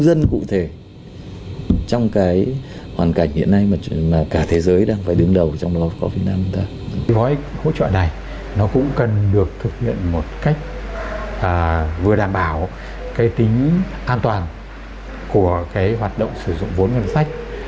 với hỗ trợ này nó cũng cần được thực hiện một cách vừa đảm bảo cái tính an toàn của cái hoạt động sử dụng vốn ngân sách